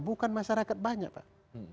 bukan masyarakat banyak pak